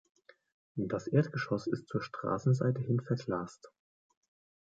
Das Erdgeschoss ist zur Straßenseite hin verglast.